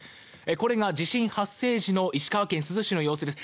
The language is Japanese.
これが地震発生時の石川県珠洲市の様子です。